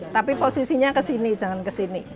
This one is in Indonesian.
tapi posisinya kesini jangan kesini